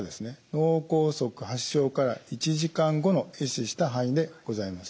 脳梗塞発症から１時間後のえ死した範囲でございます。